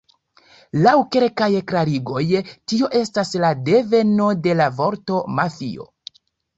Laŭ kelkaj klarigoj tio estas la deveno de la vorto "mafio".